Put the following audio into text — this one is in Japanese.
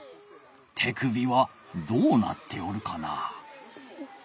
手首はどうなっておるかな？